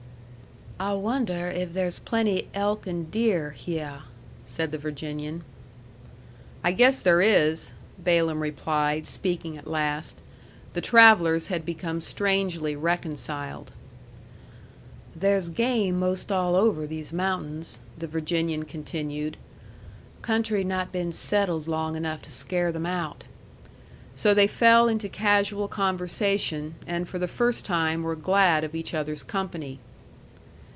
"I wonder if there's plenty elk and deer hyeh?" said the Virginian. "I guess there is," Balaam replied, speaking at last. The travellers had become strangely reconciled. "There's game 'most all over these mountains," the Virginian continued; "country not been settled long enough to scare them out." So they fell into casual conversation, and for the first time were glad of each other's company.